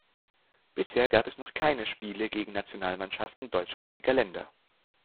Bisher gab es noch keine Spiele gegen Nationalmannschaften deutschsprachiger Länder.